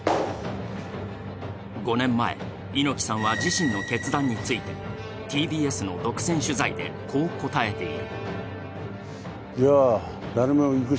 ５年前、猪木さんは自身の決断についてＴＢＳの独占取材でこう答えている。